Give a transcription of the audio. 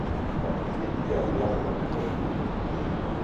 αποκρίθηκε απλά το Βασιλόπουλο